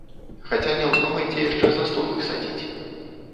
Хаця не ўздумайце яшчэ за стол іх садзіць.